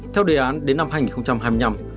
theo đề án đến năm hai nghìn hai mươi năm